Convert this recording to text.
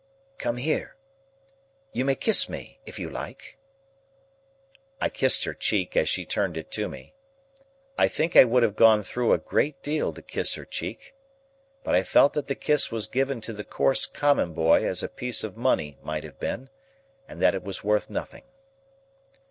"Come here! You may kiss me, if you like." I kissed her cheek as she turned it to me. I think I would have gone through a great deal to kiss her cheek. But I felt that the kiss was given to the coarse common boy as a piece of money might have been, and that it was worth nothing.